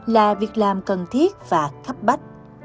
là việc làm cần thiết và khắp bách